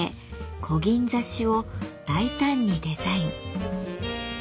こぎん刺しを大胆にデザイン。